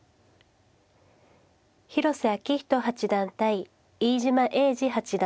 広瀬章人八段対飯島栄治八段。